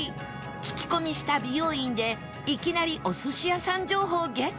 聞き込みした美容院でいきなりお寿司屋さん情報ゲットです